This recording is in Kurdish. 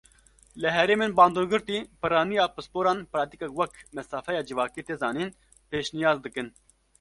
Li herêmên bandorgirtî, piraniya pisporan pratîkek wek mesafeya civakî tê zanîn pêşniyaz dikin.